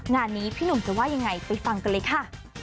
งานนี้พี่หนุ่มจะว่ายังไงไปฟังกันเลยค่ะ